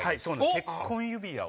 結婚指輪を。